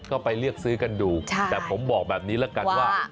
ก็ไปเลือกซื้อกันดูแต่ผมบอกแบบนี้แล้วกันว่า